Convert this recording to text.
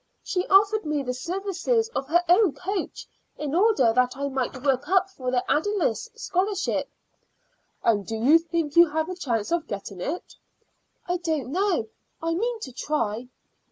She offered me the services of her own coach in order that I might work up for the Ayldice Scholarship." "And do you think you have a chance of getting it?" "I don't know. I mean to try."